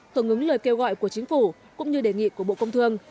tưởng ứng lời kêu gọi của chính phủ cũng như đề nghị của bộ công thương